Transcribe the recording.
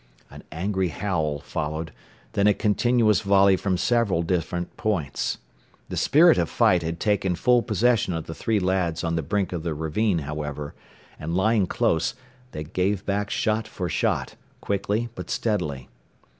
An angry howl followed, then a continuous volley from several different points. The spirit of fight had taken full possession of the three lads on the brink of the ravine, however, and lying close, they gave back shot for shot, quickly but steadily.